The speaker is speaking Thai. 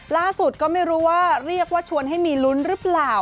ก็ไม่รู้ว่าเรียกว่าชวนให้มีลุ้นหรือเปล่า